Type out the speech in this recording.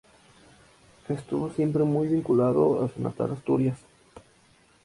Estuvo siempre muy vinculado a su natal Asturias.